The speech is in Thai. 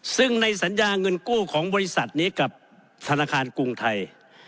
ซึ่งในสัญญาเงินกู้ของบริษัทนี้กับธนาคารกรุงไทย